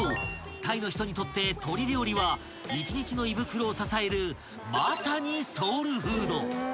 タイの人にとって鶏料理は一日の胃袋を支えるまさにソウルフード］